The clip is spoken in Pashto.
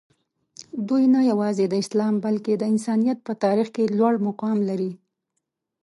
دوي نه یوازې د اسلام بلکې د انسانیت په تاریخ کې لوړ مقام لري.